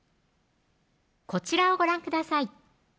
こちらをご覧ください